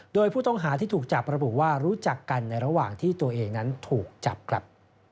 โดยผู้ต้องหาที่ถูกจับระบุว่ารู้จักกันในระหว่างที่ตัวเองนั้นถูกจับครับ